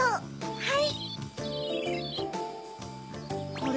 はい。